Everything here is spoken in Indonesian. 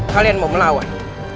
kalian mau melawan